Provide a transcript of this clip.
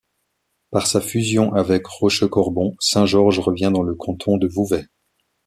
Par sa fusion avec Rochecorbon, Saint-Georges revient dans le canton de Vouvay.